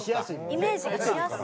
イメージがしやすい。